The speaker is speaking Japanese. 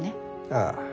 ああ。